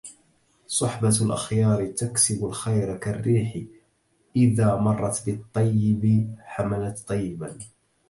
صحبة الأخيار تكسب الخير، كالريح إذا مرت بالطيب حملت طيبا.